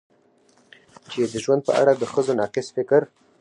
چې د ژوند په اړه د ښځو ناقص فکر